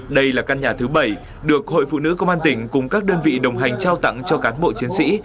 đây là căn nhà thứ bảy được hội phụ nữ công an tỉnh cùng các đơn vị đồng hành trao tặng cho cán bộ chiến sĩ